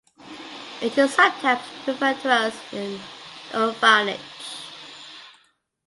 It is sometimes referred to as an orphanage.